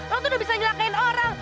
lo tuh udah bisa nyelakain orang